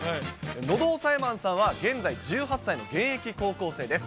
喉押さえマンさんは、現在１８歳の現役高校生です。